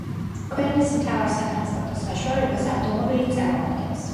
ქვეყნის მთავარ სატრანსპორტო საშუალებას ავტომობილი წარმოადგენს.